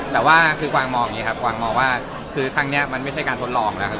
แต่ว่าคือกวางมองอย่างนี้ครับกวางมองว่าคือครั้งนี้มันไม่ใช่การทดลองแล้วครับ